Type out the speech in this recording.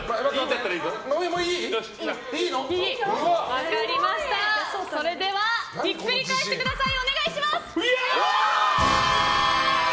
分かりました、それではひっくり返してください！